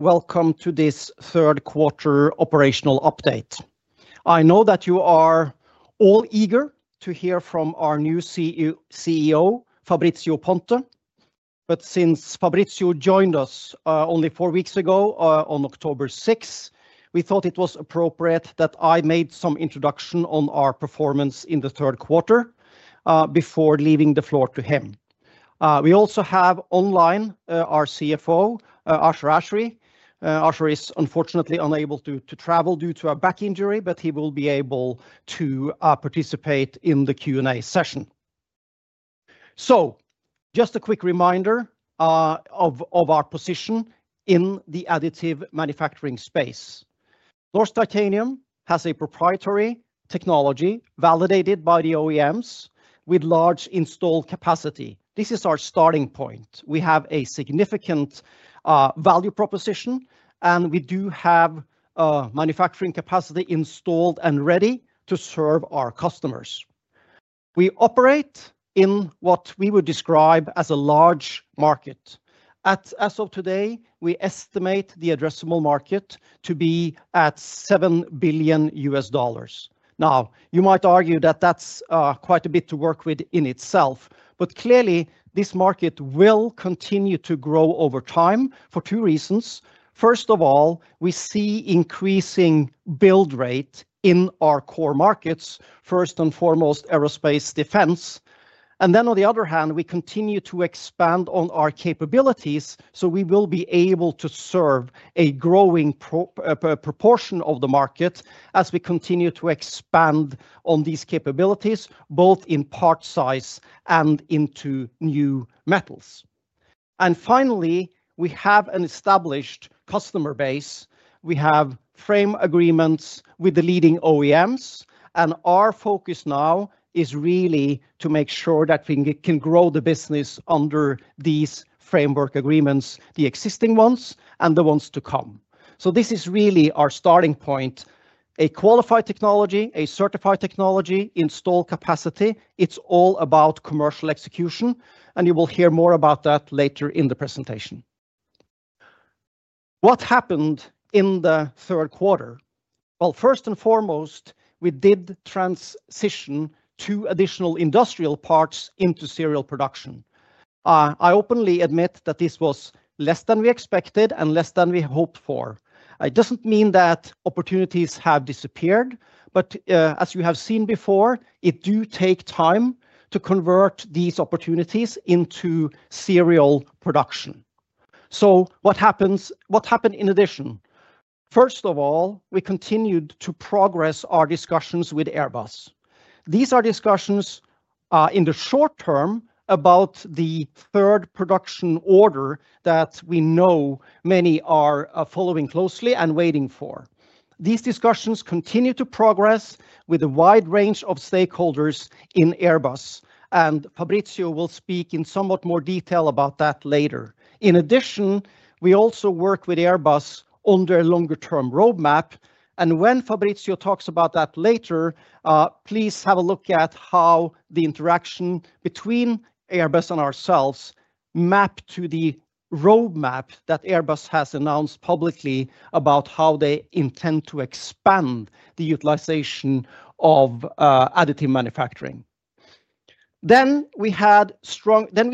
Welcome to this third quarter operational update. I know that you are all eager to hear from our new CEO, Fabrizio Ponte, but since Fabrizio joined us only four weeks ago, on October 6, we thought it was appropriate that I made some introduction on our performance in the third quarter before leaving the floor to him. We also have online our CFO, Ashar Ashary. Ashar is unfortunately unable to travel due to a back injury, but he will be able to participate in the Q&A session. Just a quick reminder of our position in the additive manufacturing space. Norsk Titanium has a proprietary technology validated by the OEMs with large install capacity. This is our starting point. We have a significant value proposition, and we do have manufacturing capacity installed and ready to serve our customers. We operate in what we would describe as a large market. As of today, we estimate the addressable market to be at $7 billion. Now, you might argue that that's quite a bit to work with in itself, but clearly this market will continue to grow over time for two reasons. First of all, we see increasing build rate in our core markets, first and foremost aerospace defense. On the other hand, we continue to expand on our capabilities so we will be able to serve a growing proportion of the market as we continue to expand on these capabilities, both in part size and into new metals. Finally, we have an established customer base. We have framework agreements with the leading OEMs, and our focus now is really to make sure that we can grow the business under these framework agreements, the existing ones and the ones to come. This is really our starting point. A qualified technology, a certified technology, installed capacity. It's all about commercial execution, and you will hear more about that later in the presentation. What happened in the third quarter? First and foremost, we did transition two additional industrial parts into serial production. I openly admit that this was less than we expected and less than we hoped for. It does not mean that opportunities have disappeared, but as you have seen before, it does take time to convert these opportunities into serial production. What happened in addition? First of all, we continued to progress our discussions with Airbus. These are discussions in the short-term about the third production order that we know many are following closely and waiting for. These discussions continue to progress with a wide range of stakeholders in Airbus, and Fabrizio will speak in somewhat more detail about that later. In addition, we also work with Airbus under a longer-term roadmap, and when Fabrizio talks about that later, please have a look at how the interaction between Airbus and ourselves maps to the roadmap that Airbus has announced publicly about how they intend to expand the utilization of additive manufacturing. We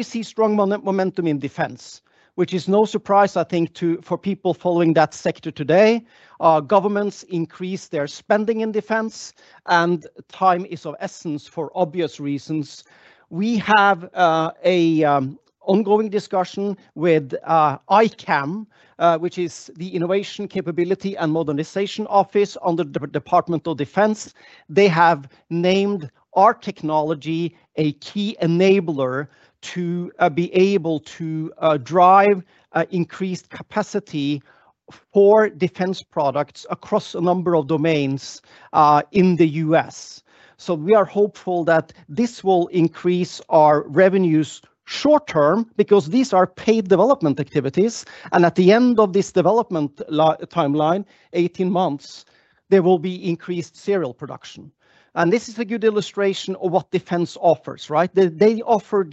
see strong momentum in defense, which is no surprise, I think, for people following that sector today. Governments increase their spending in defense, and time is of essence for obvious reasons. We have an ongoing discussion with ICAM, which is the Innovation, Capability, and Modernization Office under the Department of Defense. They have named our technology a key enabler to be able to drive increased capacity for defense products across a number of domains in the U.S. We are hopeful that this will increase our revenues short-term because these are paid development activities, and at the end of this development timeline, 18 months, there will be increased serial production. This is a good illustration of what defense offers, right? They offer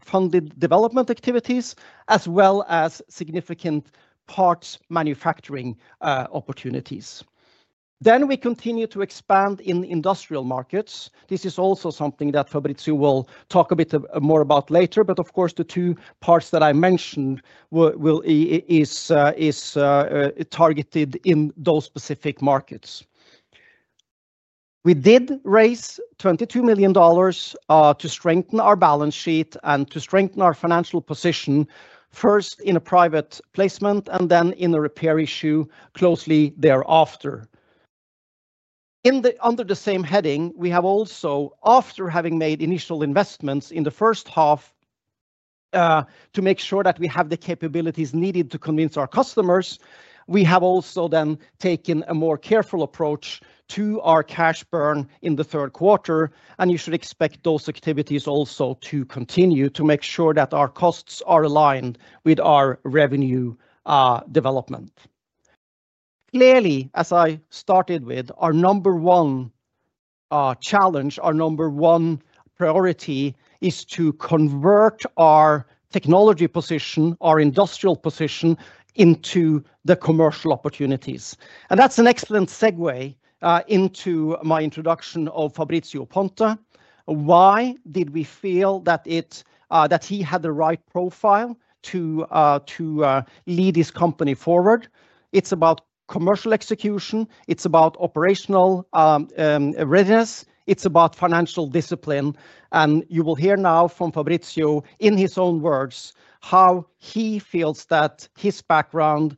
funded development activities as well as significant parts manufacturing opportunities. We continue to expand in industrial markets. This is also something that Fabrizio will talk a bit more about later, but of course, the two parts that I mentioned are targeted in those specific markets. We did raise $22 million to strengthen our balance sheet and to strengthen our financial position, first in a private placement and then in a repair issue closely thereafter. Under the same heading, we have also, after having made initial investments in the first half. To make sure that we have the capabilities needed to convince our customers, we have also then taken a more careful approach to our cash burn in the third quarter, and you should expect those activities also to continue to make sure that our costs are aligned with our revenue. Development. Clearly, as I started with, our number one challenge, our number one priority is to convert our technology position, our industrial position, into the commercial opportunities. That's an excellent segue into my introduction of Fabrizio Ponte. Why did we feel that he had the right profile to lead this company forward? It's about commercial execution. It's about operational readiness. It's about financial discipline. You will hear now from Fabrizio in his own words how he feels that his background.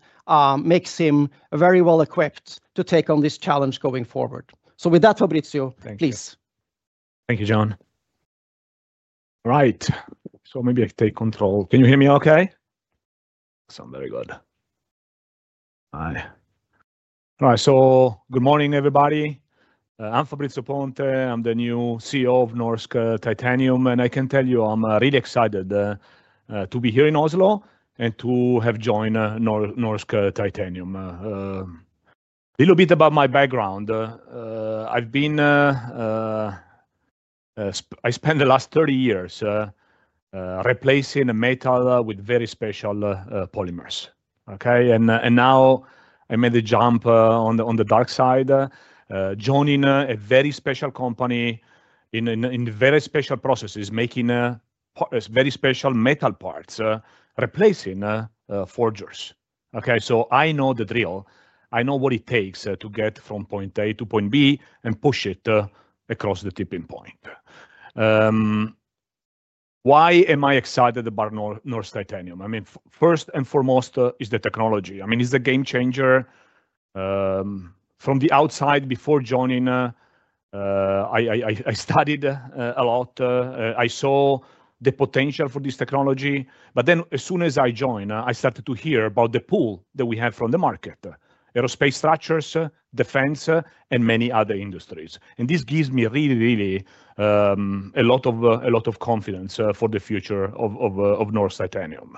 Makes him very well equipped to take on this challenge going forward. With that, Fabrizio, please. Thank you, John. All right. Maybe I take control. Can you hear me okay? Sounds very good. Hi. All right. Good morning, everybody. I'm Fabrizio Ponte. I'm the new CEO of Norsk Titanium, and I can tell you I'm really excited to be here in Oslo and to have joined Norsk Titanium. A little bit about my background. I spent the last 30 years replacing metal with very special polymers. Okay? Now I made the jump on the dark side, joining a very special company in very special processes, making very special metal parts, replacing forgers. Okay? I know the drill. I know what it takes to get from point A to point B and push it across the tipping point. Why am I excited about Norsk Titanium? I mean, first and foremost is the technology. I mean, it's a game changer. From the outside, before joining, I studied a lot. I saw the potential for this technology. As soon as I joined, I started to hear about the pull that we have from the market: aerospace structures, defense, and many other industries. This gives me really, really a lot of confidence for the future of Norsk Titanium.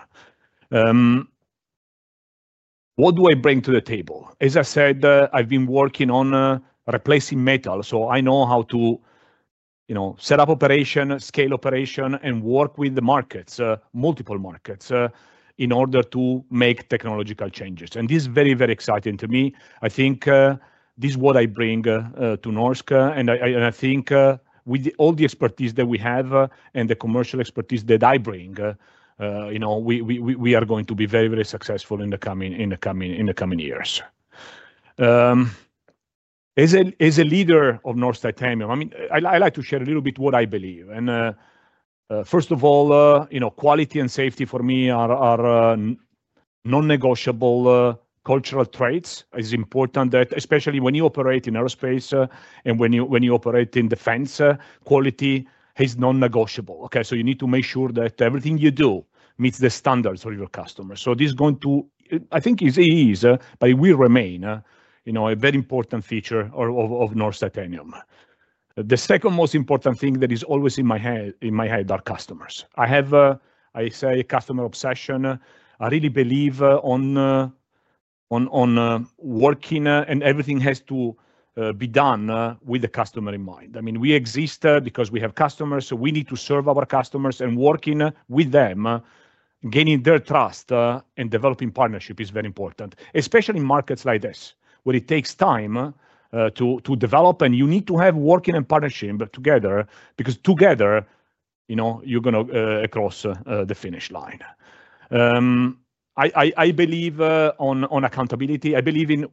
What do I bring to the table? As I said, I've been working on replacing metal, so I know how to set up operation, scale operation, and work with the markets, multiple markets, in order to make technological changes. This is very, very exciting to me. I think this is what I bring to Norsk, and I think with all the expertise that we have and the commercial expertise that I bring, we are going to be very, very successful in the coming years. As a leader of Norsk Titanium, I mean, I like to share a little bit what I believe. First of all, quality and safety for me are non-negotiable cultural traits. It's important that, especially when you operate in aerospace and when you operate in defense, quality is non-negotiable. Okay? You need to make sure that everything you do meets the standards of your customers. This is going to, I think it's easy, but it will remain a very important feature of Norsk Titanium. The second most important thing that is always in my head are customers. I have a, I say, customer obsession. I really believe in working, and everything has to be done with the customer in mind. I mean, we exist because we have customers, so we need to serve our customers and working with them, gaining their trust and developing partnership is very important, especially in markets like this where it takes time to develop. You need to have working and partnership together because together, you're going to cross the finish line. I believe in accountability. I believe in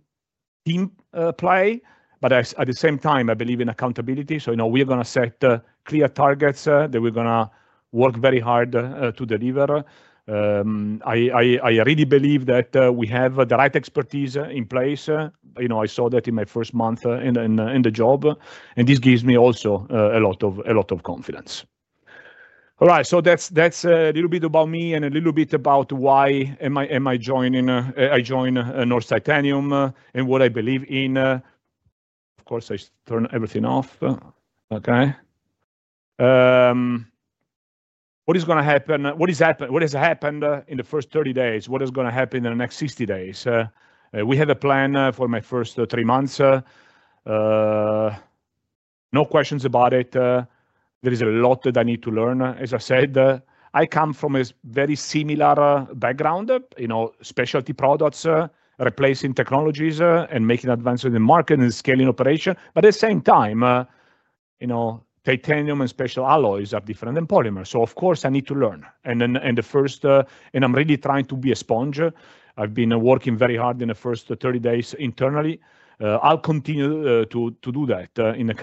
team play, but at the same time, I believe in accountability. We are going to set clear targets that we're going to work very hard to deliver. I really believe that we have the right expertise in place. I saw that in my first month in the job, and this gives me also a lot of confidence. All right. That's a little bit about me and a little bit about why am I joining Norsk Titanium and what I believe in. Of course, I turn everything off. Okay? What is going to happen? What has happened in the first 30 days? What is going to happen in the next 60 days? We have a plan for my first three months. No questions about it. There is a lot that I need to learn. As I said, I come from a very similar background. Specialty products, replacing technologies and making advances in the market and scaling operation. At the same time, titanium and special alloys are different than polymers. Of course, I need to learn. I am really trying to be a sponge. I have been working very hard in the first 30 days internally. I will continue to do that in the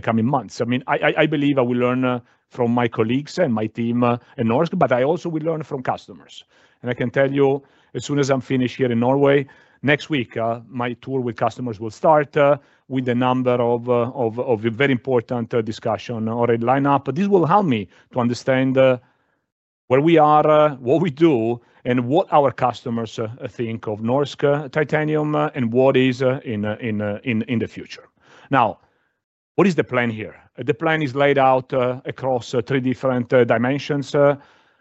coming months. I mean, I believe I will learn from my colleagues and my team at Norsk, but I also will learn from customers. I can tell you, as soon as I'm finished here in Norway, next week, my tour with customers will start with a number of very important discussions already lined up. This will help me to understand where we are, what we do, and what our customers think of Norsk Titanium and what is in the future. Now, what is the plan here? The plan is laid out across three different dimensions.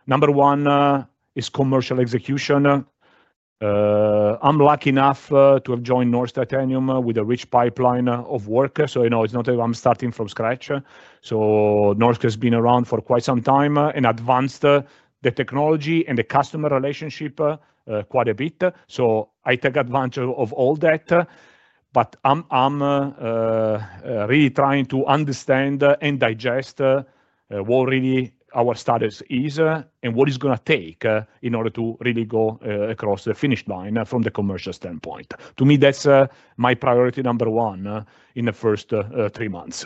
Number one is commercial execution. I'm lucky enough to have joined Norsk Titanium with a rich pipeline of work. It's not that I'm starting from scratch. Norsk has been around for quite some time and advanced the technology and the customer relationship quite a bit. I take advantage of all that. I'm really trying to understand and digest. What really our status is and what it's going to take in order to really go across the finish line from the commercial standpoint. To me, that's my priority number one in the first three months.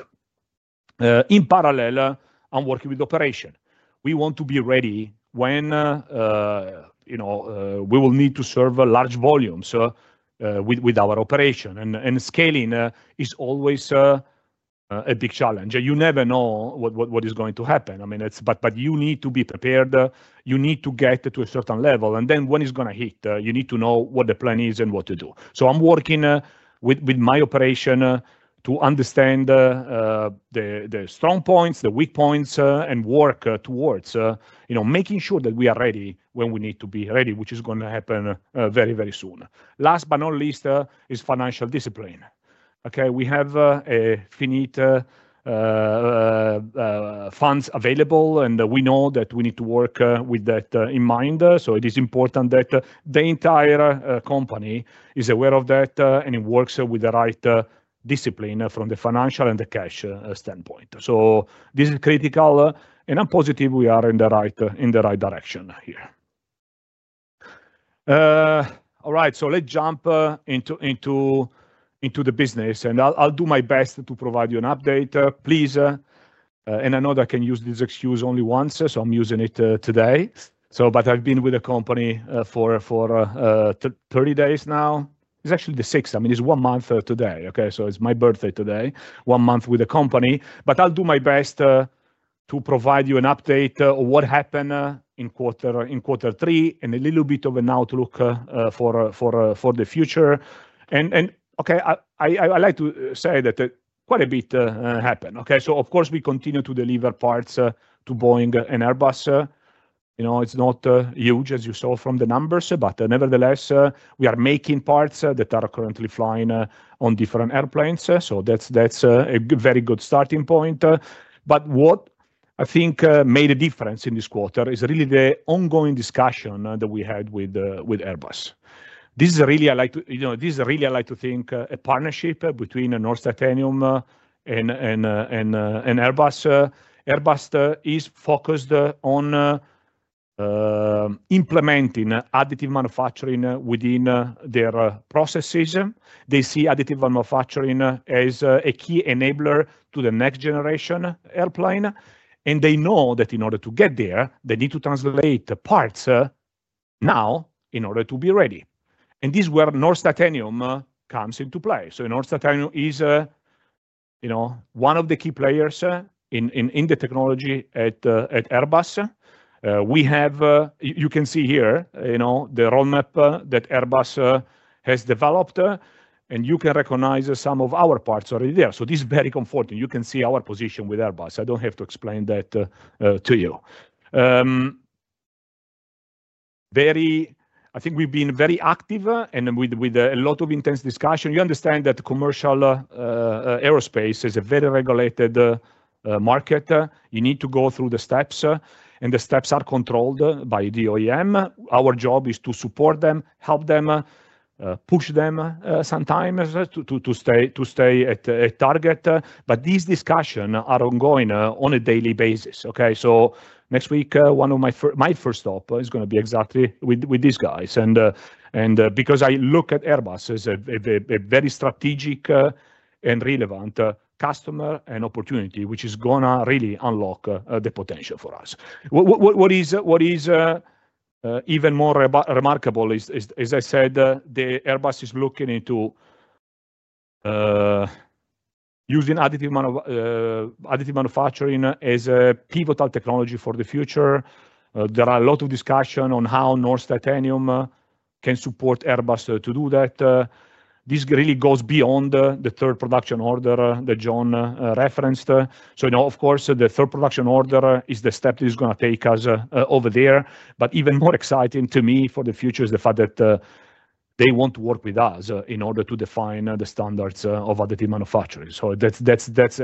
In parallel, I'm working with operation. We want to be ready when we will need to serve large volumes. With our operation, and scaling is always a big challenge. You never know what is going to happen, I mean, but you need to be prepared. You need to get to a certain level, and then when it's going to hit, you need to know what the plan is and what to do. I'm working with my operation to understand the strong points, the weak points, and work towards making sure that we are ready when we need to be ready, which is going to happen very, very soon. Last but not least is financial discipline. Okay? We have finite funds available, and we know that we need to work with that in mind. It is important that the entire company is aware of that and works with the right discipline from the financial and the cash standpoint. This is critical, and I'm positive we are in the right direction here. All right. Let's jump into the business, and I'll do my best to provide you an update. Please. I know that I can use this excuse only once, so I'm using it today. I've been with the company for 30 days now. It's actually the 6th. I mean, it's one month today. Okay? It's my birthday today, one month with the company. I'll do my best. To provide you an update on what happened in quarter three and a little bit of an outlook for the future. I like to say that quite a bit happened. Of course, we continue to deliver parts to Boeing and Airbus. It's not huge, as you saw from the numbers, but nevertheless, we are making parts that are currently flying on different airplanes. That is a very good starting point. What I think made a difference in this quarter is really the ongoing discussion that we had with Airbus. This is really—I like to—this is really—I like to think a partnership between Norsk Titanium and Airbus. Airbus is focused on implementing additive manufacturing within their processes. They see additive manufacturing as a key enabler to the next generation airplane. They know that in order to get there, they need to translate parts now in order to be ready. This is where Norsk Titanium comes into play. Norsk Titanium is one of the key players in the technology at Airbus. You can see here the roadmap that Airbus has developed, and you can recognize some of our parts already there. This is very comforting. You can see our position with Airbus. I do not have to explain that to you. I think we have been very active and with a lot of intense discussion. You understand that commercial aerospace is a very regulated market. You need to go through the steps, and the steps are controlled by OEM. Our job is to support them, help them, push them sometimes to stay at target. These discussions are ongoing on a daily basis. Okay? Next week, one of my first stops is going to be exactly with these guys. I look at Airbus as a very strategic and relevant customer and opportunity, which is going to really unlock the potential for us. What is even more remarkable is, as I said, that Airbus is looking into using additive manufacturing as a pivotal technology for the future. There are a lot of discussions on how Norsk Titanium can support Airbus to do that. This really goes beyond the third production order that John referenced. Of course, the third production order is the step that is going to take us over there. Even more exciting to me for the future is the fact that they want to work with us in order to define the standards of additive manufacturing. That's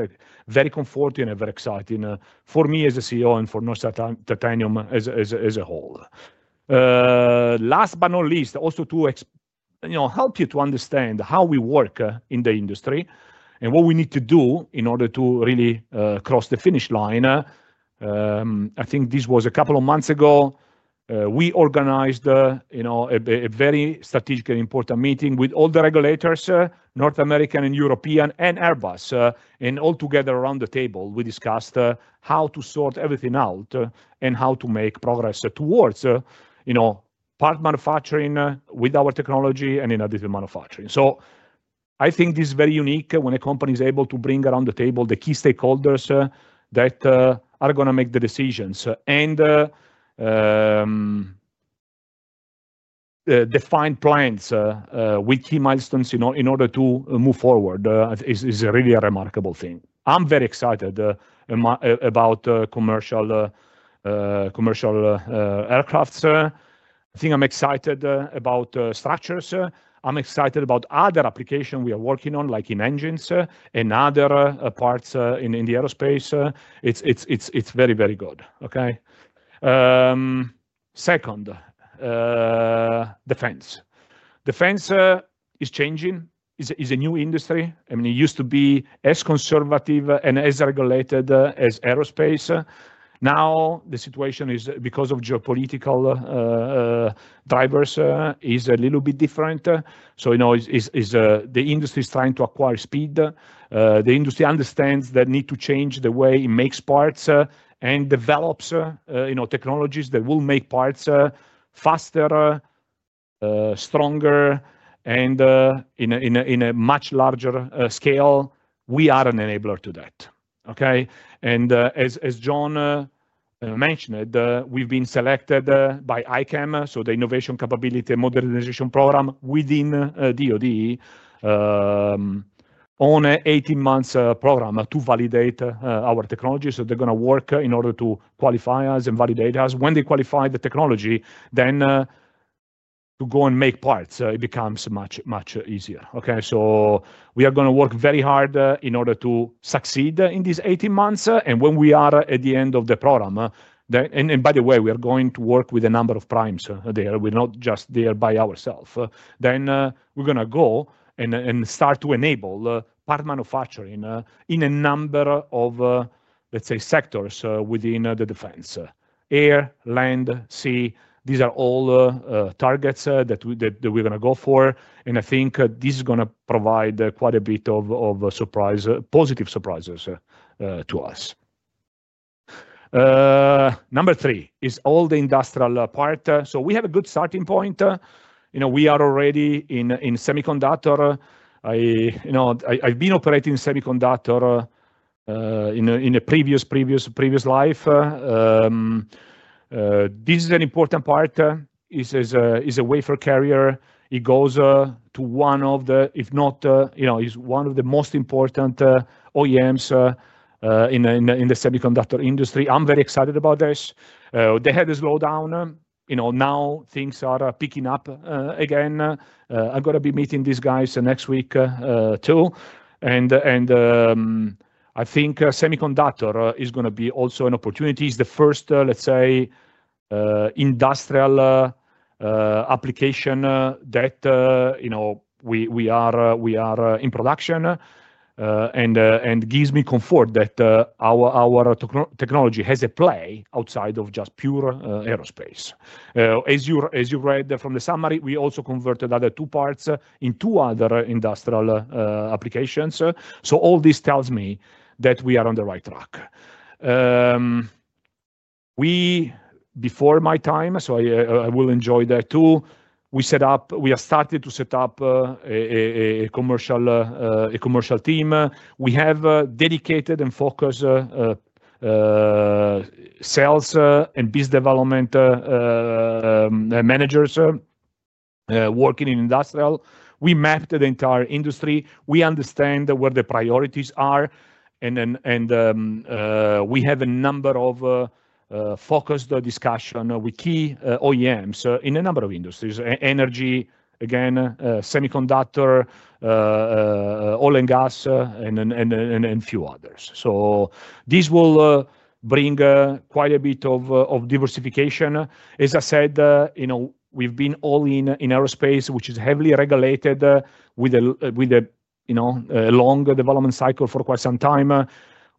very comforting and very exciting for me as a CEO and for Norsk Titanium as a whole. Last but not least, also to help you to understand how we work in the industry and what we need to do in order to really cross the finish line. I think this was a couple of months ago. We organized a very strategic and important meeting with all the regulators, North American and European and Airbus. All together around the table, we discussed how to sort everything out and how to make progress towards part manufacturing with our technology and in additive manufacturing. I think this is very unique when a company is able to bring around the table the key stakeholders that are going to make the decisions and define plans with key milestones in order to move forward. It is really a remarkable thing. I'm very excited. About commercial aircraft. I think I'm excited about structures. I'm excited about other applications we are working on, like in engines and other parts in aerospace. It's very, very good. Okay? Second, defense. Defense is changing. It's a new industry. I mean, it used to be as conservative and as regulated as aerospace. Now, the situation is, because of geopolitical drivers, is a little bit different. The industry is trying to acquire speed. The industry understands that need to change the way it makes parts and develops technologies that will make parts faster, stronger, and in a much larger scale. We are an enabler to that. Okay? As John mentioned, we've been selected by ICAM, so the Innovation Capability and Modernization Program within DOD on an 18-month program to validate our technology. They're going to work in order to qualify us and validate us. When they qualify the technology, then to go and make parts, it becomes much easier. Okay? We are going to work very hard in order to succeed in these 18 months. When we are at the end of the program, by the way, we are going to work with a number of primes there. We're not just there by ourselves. We are going to go and start to enable part manufacturing in a number of, let's say, sectors within the defense: air, land, sea. These are all targets that we're going to go for. I think this is going to provide quite a bit of positive surprises to us. Number three is all the industrial part. We have a good starting point. We are already in semiconductor. I've been operating in semiconductor in a previous life. This is an important part. It's a wafer carrier. It goes to one of the, if not. It's one of the most important OEMs in the semiconductor industry. I'm very excited about this. They had a slowdown. Now things are picking up again. I'm going to be meeting these guys next week too. I think semiconductor is going to be also an opportunity. It's the first, let's say, industrial application that we are in production. It gives me comfort that our technology has a play outside of just pure aerospace. As you read from the summary, we also converted other two parts into other industrial applications. All this tells me that we are on the right track. Before my time, so I will enjoy that too, we have started to set up a commercial team. We have dedicated and focused sales and business development managers working in industrial. We mapped the entire industry. We understand where the priorities are. We have a number of focused discussions with key OEMs in a number of industries: energy, again, semiconductor, oil and gas, and a few others. This will bring quite a bit of diversification. As I said, we've been all in aerospace, which is heavily regulated with a long development cycle for quite some time.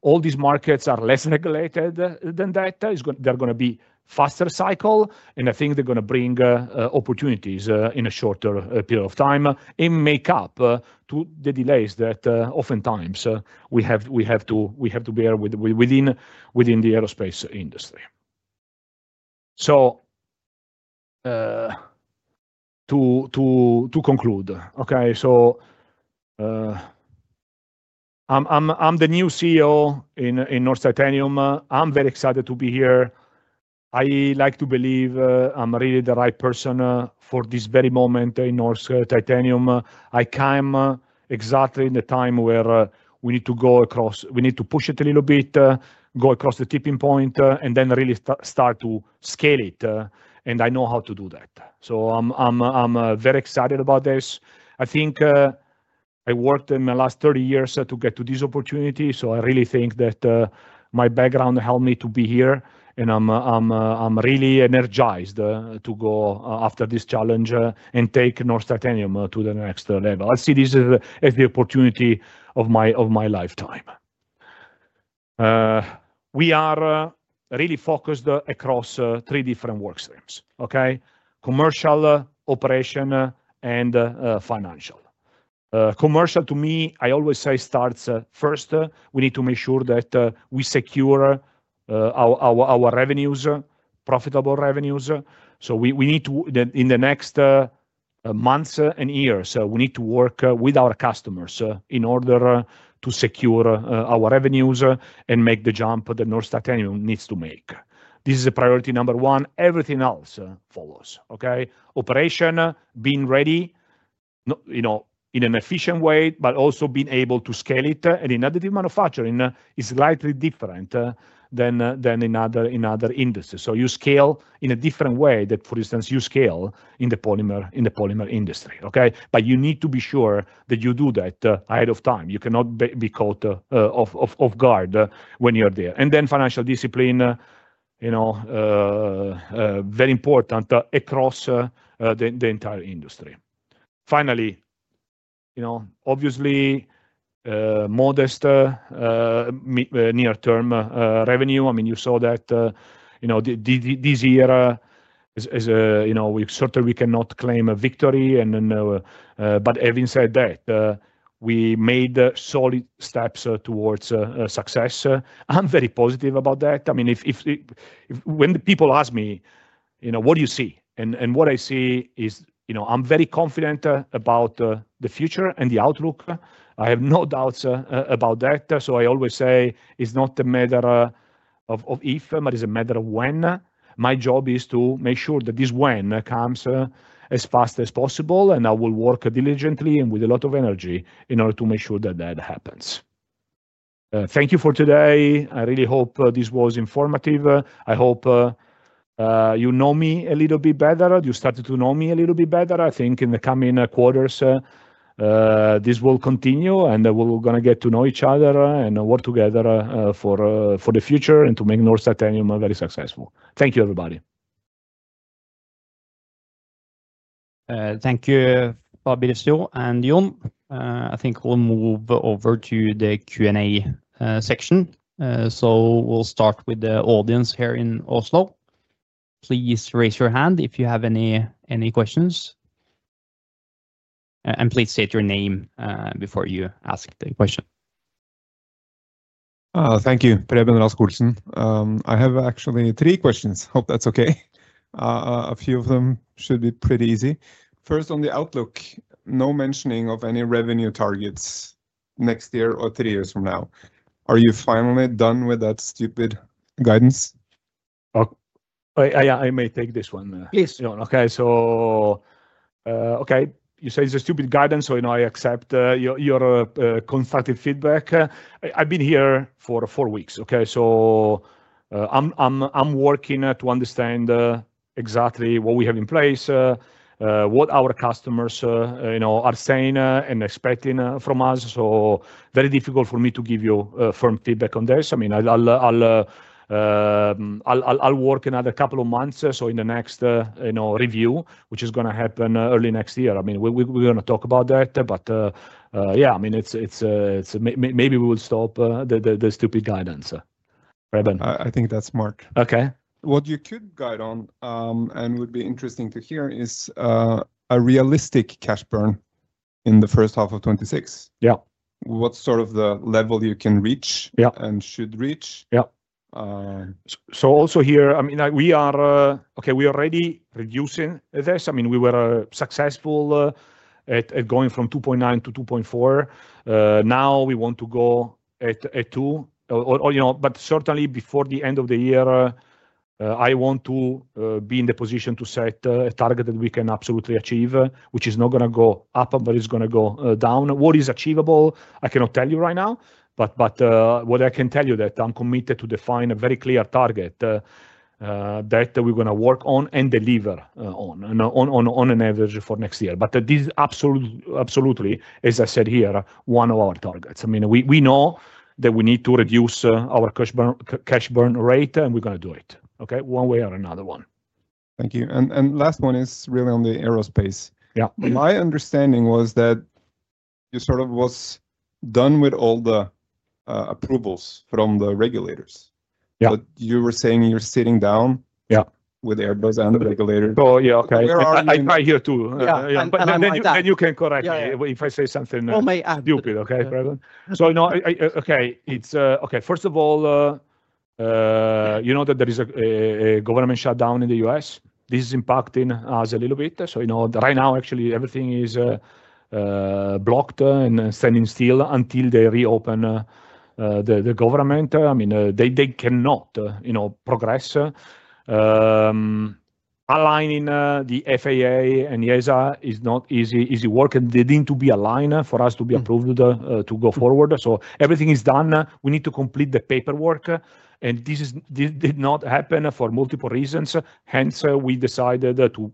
All these markets are less regulated than that. They're going to be a faster cycle, and I think they're going to bring opportunities in a shorter period of time and make up to the delays that oftentimes we have to bear within the aerospace industry. To conclude, okay? I'm the new CEO in Norsk Titanium. I'm very excited to be here. I like to believe I'm really the right person for this very moment in Norsk Titanium. I came exactly in the time where we need to go across, we need to push it a little bit, go across the tipping point, and then really start to scale it. I know how to do that. I am very excited about this. I think I worked in my last 30 years to get to this opportunity. I really think that my background helped me to be here, and I am really energized to go after this challenge and take Norsk Titanium to the next level. I see this as the opportunity of my lifetime. We are really focused across three different work streams, okay? Commercial, operation, and financial. Commercial, to me, I always say starts first. We need to make sure that we secure our profitable revenues. We need to, in the next. Months and years, we need to work with our customers in order to secure our revenues and make the jump that Norsk Titanium needs to make. This is priority number one. Everything else follows, okay? Operation, being ready in an efficient way, but also being able to scale it. In additive manufacturing, it's slightly different than in other industries. You scale in a different way than, for instance, you scale in the polymer industry, okay? You need to be sure that you do that ahead of time. You cannot be caught off guard when you're there. Financial discipline, very important across the entire industry. Finally, obviously, modest near-term revenue. I mean, you saw that this year. We certainly cannot claim a victory. Having said that, we made solid steps towards success. I'm very positive about that. I mean. When people ask me, "What do you see?" what I see is I'm very confident about the future and the outlook. I have no doubts about that. I always say it's not a matter of if, but it's a matter of when. My job is to make sure that this when comes as fast as possible, and I will work diligently and with a lot of energy in order to make sure that happens. Thank you for today. I really hope this was informative. I hope you know me a little bit better. You started to know me a little bit better. I think in the coming quarters this will continue, and we're going to get to know each other and work together for the future and to make Norsk Titanium very successful. Thank you, everybody. Thank you, Fabrizio and John. I think we'll move over to the Q&A section. We'll start with the audience here in Oslo. Please raise your hand if you have any questions. Please state your name before you ask the question. Thank you, Preben Raskoltsen. I have actually three questions. Hope that's okay. A few of them should be pretty easy. First, on the outlook, no mentioning of any revenue targets next year or three years from now. Are you finally done with that stupid guidance? Yeah, I may take this one. Please, John. Okay. You say it's a stupid guidance, so I accept your constructive feedback. I've been here for four weeks, okay? I'm working to understand exactly what we have in place, what our customers are saying and expecting from us. Very difficult for me to give you firm feedback on this. I mean. I'll work another couple of months, so in the next review, which is going to happen early next year. I mean, we're going to talk about that, but yeah, I mean, maybe we will stop the stupid guidance. Preben? I think that's Mark. Okay. What you could guide on and would be interesting to hear is a realistic cash burn in the first half of 2026. Yeah. What's sort of the level you can reach and should reach? Yeah. So also here, I mean, we are, okay, we are already reducing this. I mean, we were successful at going from $2.9 million to $2.4 million. Now we want to go at $2 million. But certainly before the end of the year, I want to be in the position to set a target that we can absolutely achieve, which is not going to go up, but it's going to go down. What is achievable, I cannot tell you right now, but what I can tell you is that I'm committed to define a very clear target that we're going to work on and deliver on, on an average for next year. This is absolutely, as I said here, one of our targets. I mean, we know that we need to reduce our cash burn rate, and we're going to do it, okay, one way or another. Thank you. Last one is really on the aerospace. My understanding was that you sort of were done with all the approvals from the regulators, but you were saying you're sitting down with Airbus and the regulators. Yeah, okay. I try here too. Yeah. You can correct me if I say something stupid, okay, Preben? First of all. You know that there is a government shutdown in the U.S. This is impacting us a little bit. Right now, actually, everything is blocked and standing still until they reopen the government. I mean, they cannot progress. Aligning the FAA and ESA is not easy work, and they need to be aligned for us to be approved to go forward. Everything is done. We need to complete the paperwork, and this did not happen for multiple reasons. Hence, we decided to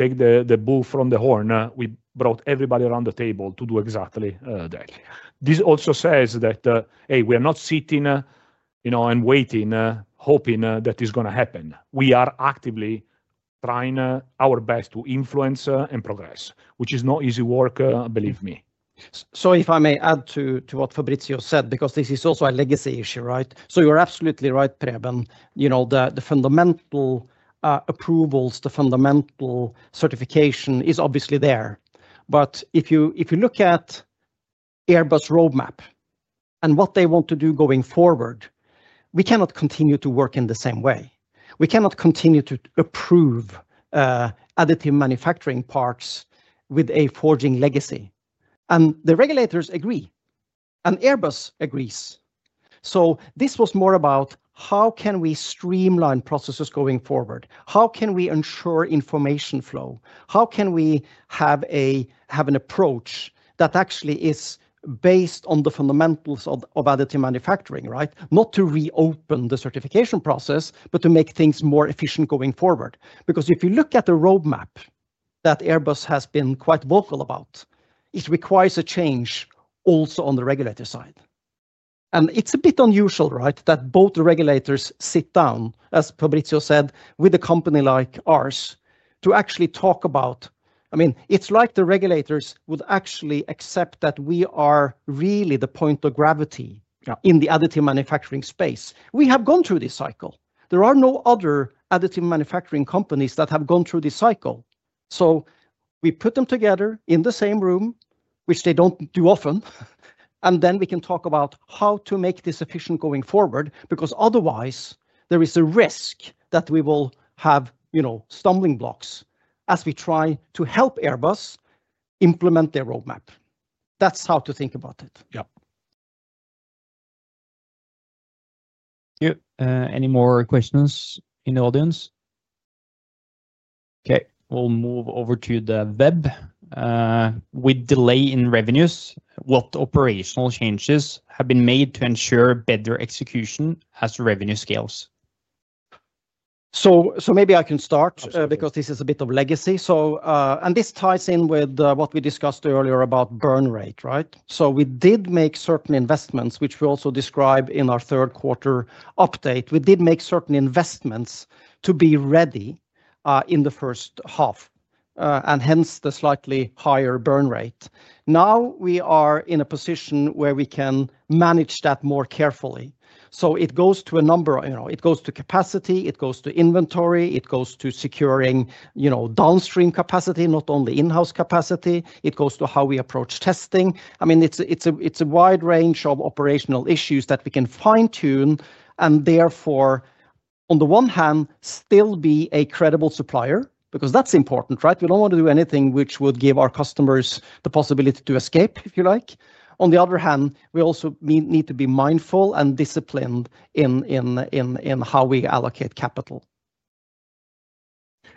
take the bull from the horn. We brought everybody around the table to do exactly that. This also says that, hey, we are not sitting and waiting, hoping that it's going to happen. We are actively trying our best to influence and progress, which is not easy work, believe me. If I may add to what Fabrizio said, because this is also a legacy issue, right? You're absolutely right, Preben. The fundamental approvals, the fundamental certification is obviously there. If you look at Airbus' roadmap and what they want to do going forward, we cannot continue to work in the same way. We cannot continue to approve additive manufacturing parts with a forging legacy, and the regulators agree, and Airbus agrees. This was more about how can we streamline processes going forward? How can we ensure information flow? How can we have an approach that actually is based on the fundamentals of additive manufacturing, right? Not to reopen the certification process, but to make things more efficient going forward. If you look at the roadmap that Airbus has been quite vocal about, it requires a change also on the regulator side. It's a bit unusual, right, that both the regulators sit down, as Fabrizio said, with a company like ours to actually talk about. I mean, it's like the regulators would actually accept that we are really the point of gravity in the additive manufacturing space. We have gone through this cycle. There are no other additive manufacturing companies that have gone through this cycle. We put them together in the same room, which they don't do often. We can talk about how to make this efficient going forward, because otherwise, there is a risk that we will have stumbling blocks as we try to help Airbus implement their roadmap. That's how to think about it. Yep. Any more questions in the audience? Okay, we'll move over to the web. With delay in revenues, what operational changes have been made to ensure better execution as revenue scales? Maybe I can start because this is a bit of legacy. This ties in with what we discussed earlier about burn rate, right? We did make certain investments, which we also describe in our third quarter update. We did make certain investments to be ready in the first half, and hence the slightly higher burn rate. Now we are in a position where we can manage that more carefully. It goes to a number of, it goes to capacity, it goes to inventory, it goes to securing downstream capacity, not only in-house capacity. It goes to how we approach testing. I mean, it's a wide range of operational issues that we can fine-tune and therefore, on the one hand, still be a credible supplier, because that's important, right? We don't want to do anything which would give our customers the possibility to escape, if you like. On the other hand, we also need to be mindful and disciplined in how we allocate capital.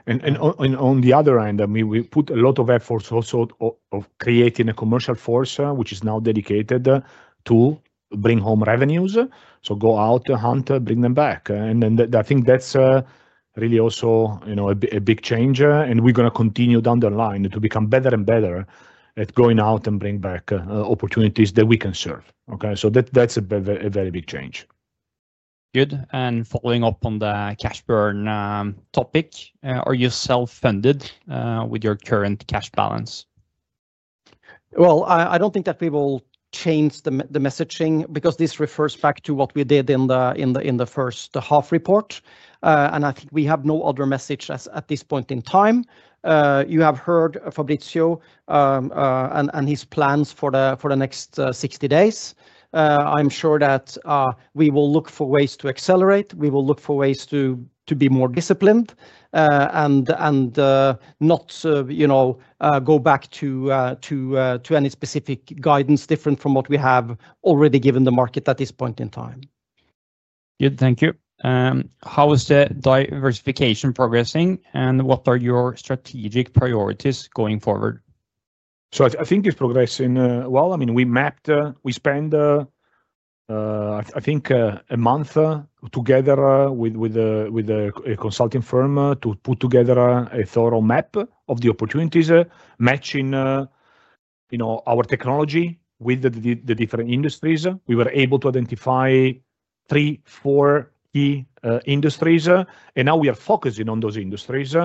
On the other end, I mean, we put a lot of efforts also into creating a commercial force, which is now dedicated to bring home revenues. Go out, hunt, bring them back. I think that's really also a big change. We're going to continue down the line to become better and better at going out and bringing back opportunities that we can serve. Okay? That's a very big change. Good. Following up on the cash burn topic, are you self-funded with your current cash balance? I don't think that we will change the messaging because this refers back to what we did in the first half report. I think we have no other message at this point in time. You have heard Fabrizio and his plans for the next 60 days. I'm sure that we will look for ways to accelerate. We will look for ways to be more disciplined. Not go back to any specific guidance different from what we have already given the market at this point in time. Good. Thank you. How is the diversification progressing? What are your strategic priorities going forward? I think it's progressing well. I mean, we spent a month together with a consulting firm to put together a thorough map of the opportunities, matching our technology with the different industries. We were able to identify three, four key industries. Now we are focusing on those industries.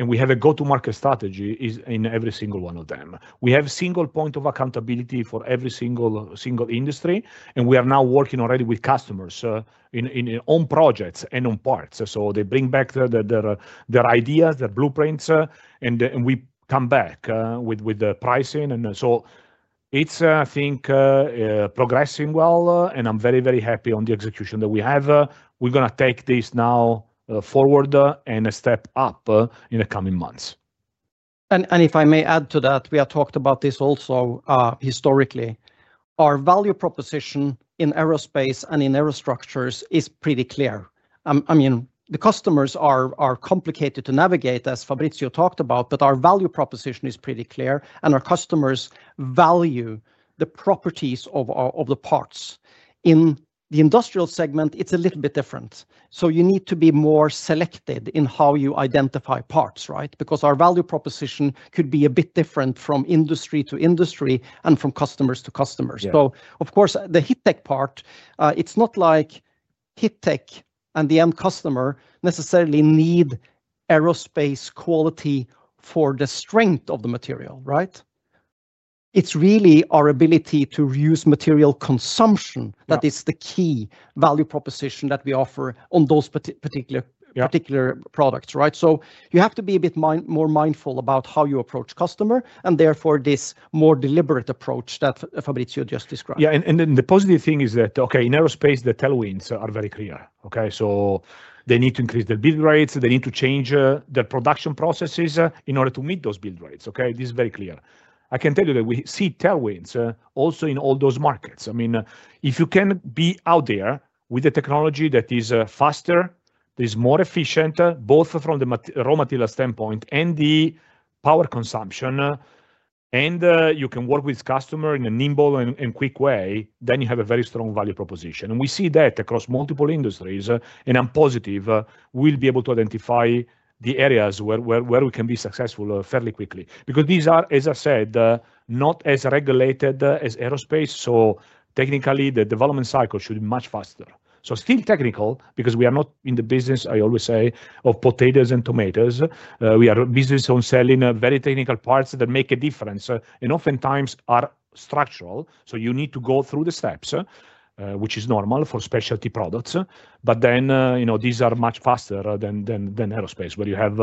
We have a go-to-market strategy in every single one of them. We have a single point of accountability for every single industry. We are now working already with customers on projects and on parts. They bring back their ideas, their blueprints, and we come back with the pricing. I think it is progressing well. I am very, very happy on the execution that we have. We are going to take this now forward and a step up in the coming months. If I may add to that, we have talked about this also historically. Our value proposition in aerospace and in aero structures is pretty clear. I mean, the customers are complicated to navigate, as Fabrizio talked about, but our value proposition is pretty clear. Our customers value the properties of the parts. In the industrial segment, it is a little bit different. You need to be more selective in how you identify parts, right? Because our value proposition could be a bit different from industry to industry and from customers to customers. Of course, the HITECH part, it's not like HITECH and the end customer necessarily need aerospace quality for the strength of the material, right? It's really our ability to reduce material consumption that is the key value proposition that we offer on those particular products, right? You have to be a bit more mindful about how you approach customers and therefore this more deliberate approach that Fabrizio just described. Yeah. The positive thing is that, okay, in aerospace, the tailwinds are very clear. They need to increase the build rates. They need to change the production processes in order to meet those build rates. This is very clear. I can tell you that we see tailwinds also in all those markets. I mean, if you can be out there with the technology that is faster, that is more efficient, both from the raw material standpoint and the power consumption, and you can work with customers in a nimble and quick way, then you have a very strong value proposition. We see that across multiple industries. I'm positive we'll be able to identify the areas where we can be successful fairly quickly, because these are, as I said, not as regulated as aerospace. Technically, the development cycle should be much faster. Still technical, because we are not in the business, I always say, of potatoes and tomatoes. We are a business on selling very technical parts that make a difference and oftentimes are structural. You need to go through the steps, which is normal for specialty products. These are much faster than aerospace, where you have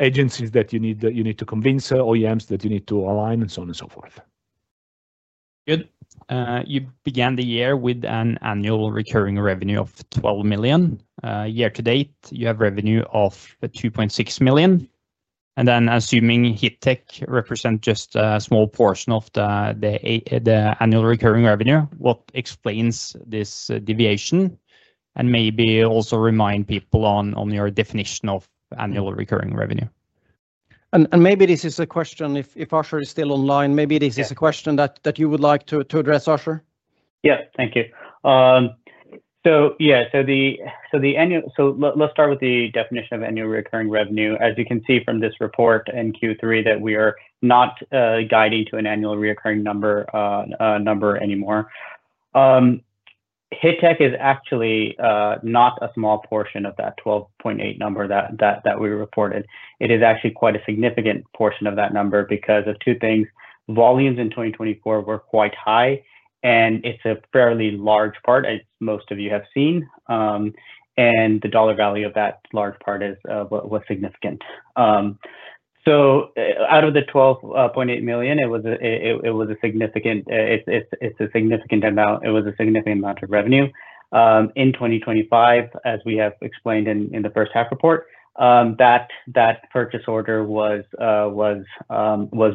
agencies that you need to convince, OEMs that you need to align, and so on and so forth. Good. You began the year with an annual recurring revenue of $12 million. Year to date, you have revenue of $2.6 million. Assuming HITECH represents just a small portion of the annual recurring revenue, what explains this deviation? Maybe also remind people on your definition of annual recurring revenue. Maybe this is a question, if Ashar is still online, maybe this is a question that you would like to address, Ashar? Yeah. Thank you. Yeah, so the annual—let's start with the definition of annual recurring revenue. As you can see from this report in Q3, we are not guiding to an annual recurring number anymore. HITECH is actually not a small portion of that $12.8 million number that we reported. It is actually quite a significant portion of that number because of two things. Volumes in 2024 were quite high, and it's a fairly large part, as most of you have seen. And the dollar value of that large part was significant. So out of the $12.8 million, it was a significant—it's a significant amount—it was a significant amount of revenue. In 2025, as we have explained in the first half report. That purchase order was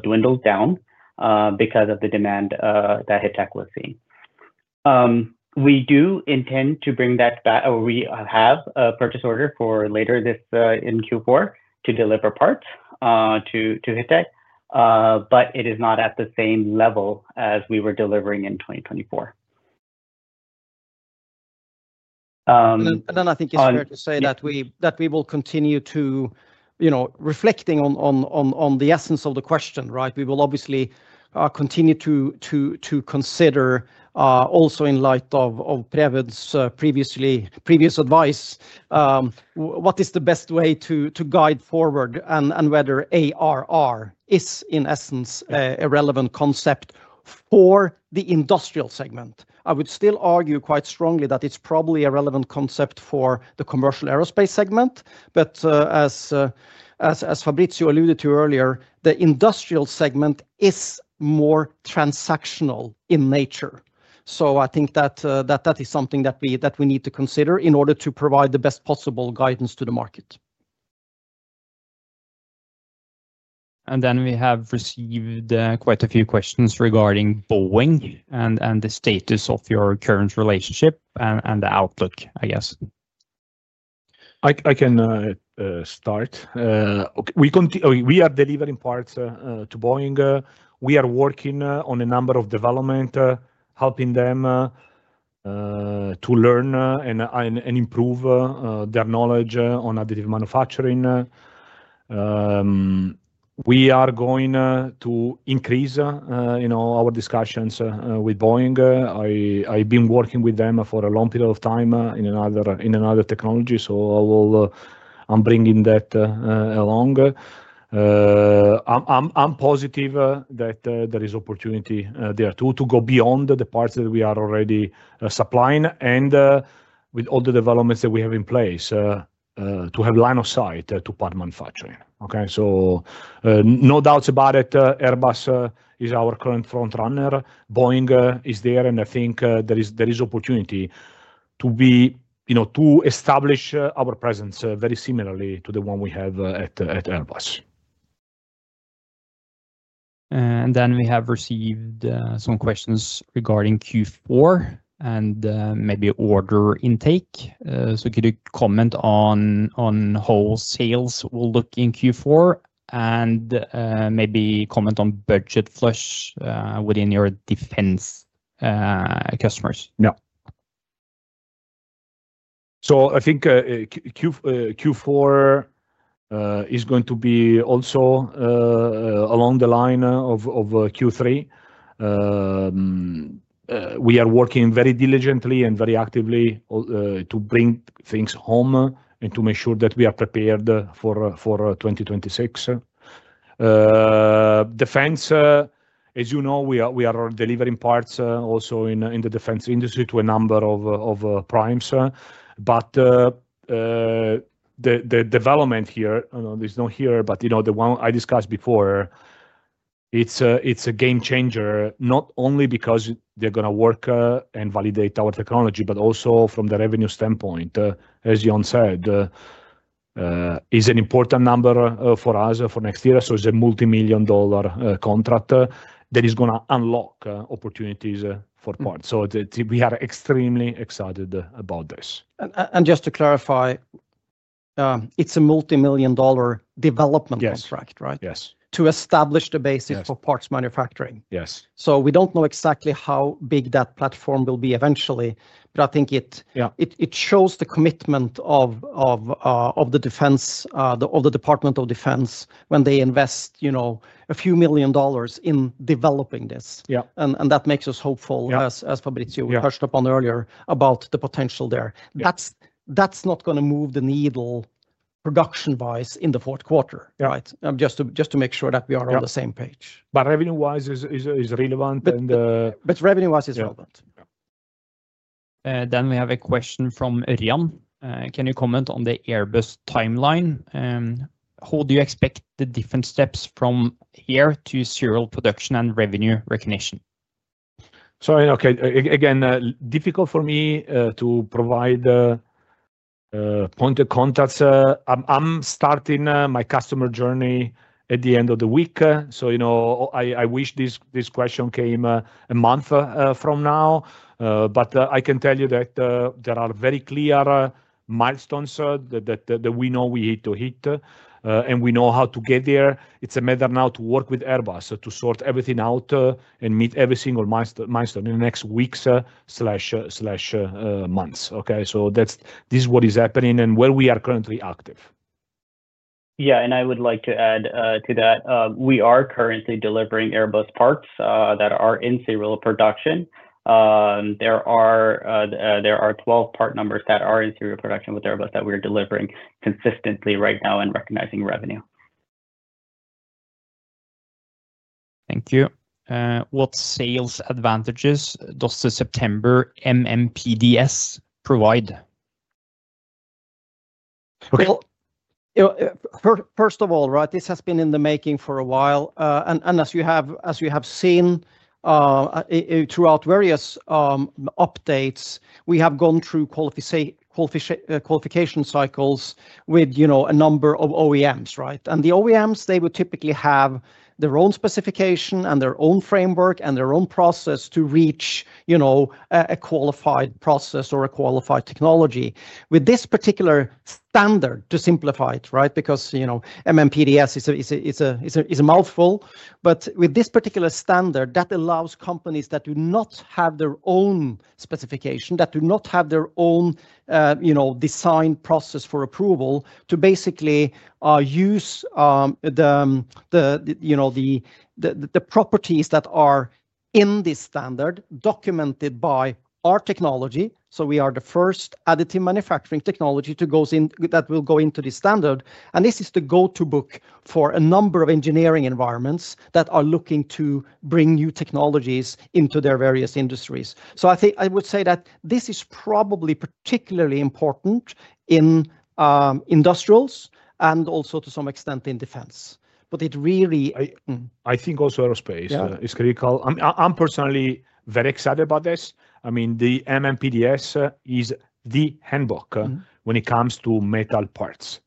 dwindled down because of the demand that HITECH was seeing. We do intend to bring that back, or we have a purchase order for later this in Q4 to deliver parts to HITECH. But it is not at the same level as we were delivering in 2024. And then I think it's fair to say that we will continue to. Reflect on the essence of the question, right? We will obviously continue to. Consider, also in light of Preben's previous advice. What is the best way to guide forward and whether ARR is, in essence, a relevant concept for the industrial segment? I would still argue quite strongly that it's probably a relevant concept for the commercial aerospace segment. As Fabrizio alluded to earlier, the industrial segment is more transactional in nature. I think that that is something that we need to consider in order to provide the best possible guidance to the market. We have received quite a few questions regarding Boeing and the status of your current relationship and the outlook, I guess. I can start. We are delivering parts to Boeing. We are working on a number of developments, helping them to learn and improve their knowledge on additive manufacturing. We are going to increase our discussions with Boeing. I've been working with them for a long period of time in another technology, so I'm bringing that along. I'm positive that there is opportunity there to go beyond the parts that we are already supplying and with all the developments that we have in place to have line of sight to part manufacturing. Okay? No doubts about it. Airbus is our current front-runner. Boeing is there, and I think there is opportunity to establish our presence very similarly to the one we have at Airbus. We have received some questions regarding Q4 and maybe order intake. Could you comment on how sales will look in Q4 and maybe comment on budget flush within your defense customers? Yeah. I think Q4 is going to be also along the line of Q3. We are working very diligently and very actively to bring things home and to make sure that we are prepared for 2026. Defense, as you know, we are delivering parts also in the defense industry to a number of primes. The development here, there's no here, but the one I discussed before, it's a game changer, not only because they're going to work and validate our technology, but also from the revenue standpoint, as Yan said. It is an important number for us for next year. It is a multi-million dollar contract that is going to unlock opportunities for parts. We are extremely excited about this. Just to clarify, it is a multi-million dollar development contract, right? Yes. To establish the basis for parts manufacturing. Yes. We do not know exactly how big that platform will be eventually, but I think it shows the commitment of the. Department of Defense when they invest a few million dollars in developing this. That makes us hopeful, as Fabrizio touched upon earlier, about the potential there. That's not going to move the needle production-wise in the fourth quarter, right? Just to make sure that we are on the same page. Revenue-wise is relevant. We have a question from Rian. Can you comment on the Airbus timeline? How do you expect the different steps from here to serial production and revenue recognition? Okay, again, difficult for me to provide point of contacts. I'm starting my customer journey at the end of the week. I wish this question came a month from now. I can tell you that there are very clear milestones that we know we need to hit, and we know how to get there. It's a matter now to work with Airbus to sort everything out and meet every single milestone in the next weeks, months. Okay? This is what is happening and where we are currently active. Yeah. I would like to add to that. We are currently delivering Airbus parts that are in serial production. There are 12 part numbers that are in serial production with Airbus that we are delivering consistently right now and recognizing revenue. Thank you. What sales advantages does the September MMPDS provide? First of all, right, this has been in the making for a while. As you have seen, throughout various updates, we have gone through qualification cycles with a number of OEMs, right? The OEMs, they would typically have their own specification and their own framework and their own process to reach a qualified process or a qualified technology. With this particular standard, to simplify it, right? Because MMPDS is a mouthful. But with this particular standard, that allows companies that do not have their own specification, that do not have their own design process for approval, to basically use the properties that are in this standard documented by our technology. We are the first additive manufacturing technology that will go into this standard. This is the go-to book for a number of engineering environments that are looking to bring new technologies into their various industries. I would say that this is probably particularly important in industrials and also to some extent in defense. It really, I think also aerospace is critical. I'm personally very excited about this. I mean, the MMPDS is the handbook when it comes to metal parts.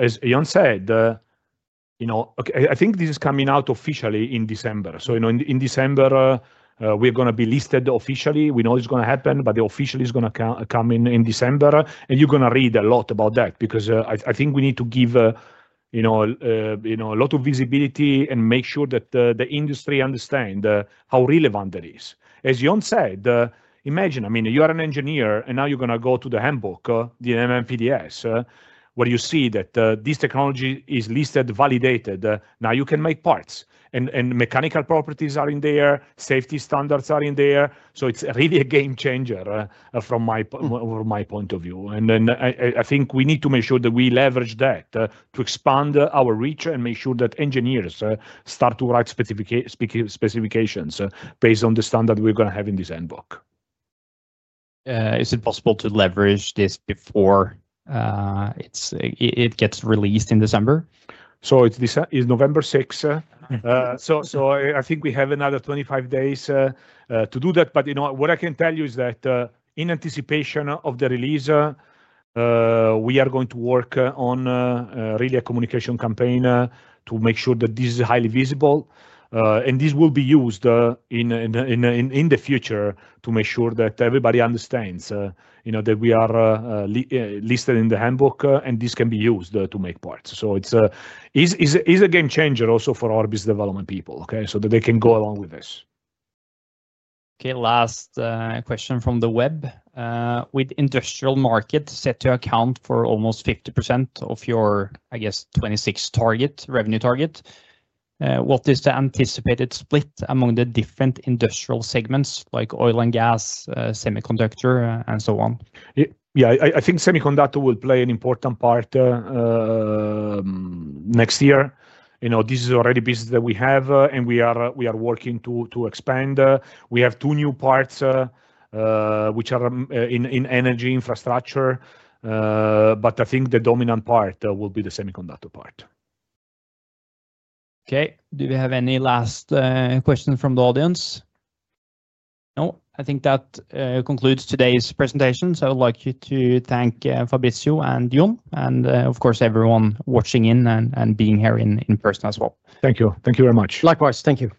As Yan said, I think this is coming out officially in December. In December, we're going to be listed officially. We know it's going to happen, but the official is going to come in December. You're going to read a lot about that because I think we need to give a lot of visibility and make sure that the industry understands how relevant that is. As Yan said, imagine, I mean, you are an engineer, and now you're going to go to the handbook, the MMPDS, where you see that this technology is listed, validated. Now you can make parts. Mechanical properties are in there. Safety standards are in there. It's really a game changer from my point of view. I think we need to make sure that we leverage that to expand our reach and make sure that engineers start to write specifications based on the standard we're going to have in this handbook. Is it possible to leverage this before it gets released in December? It is November 6th, so I think we have another 25 days to do that. What I can tell you is that in anticipation of the release, we are going to work on really a communication campaign to make sure that this is highly visible. This will be used in the future to make sure that everybody understands that we are listed in the handbook and this can be used to make parts. It is a game changer also for our business development people, okay, so that they can go along with this. Last question from the web. With industrial market set to account for almost 50% of your, I guess, 2026 revenue target, what is the anticipated split among the different industrial segments like oil and gas, semiconductor, and so on? Yeah. I think semiconductor will play an important part. Next year. This is already business that we have, and we are working to expand. We have two new parts, which are in energy infrastructure. I think the dominant part will be the semiconductor part. Okay. Do we have any last questions from the audience? No. I think that concludes today's presentation. I would like you to thank Fabrizio and John, and of course, everyone watching in and being here in person as well. Thank you. Thank you very much. Likewise. Thank you.